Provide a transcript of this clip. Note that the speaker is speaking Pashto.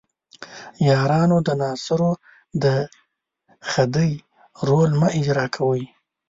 یارانو د ناصرو د خدۍ رول مه اجراء کوئ.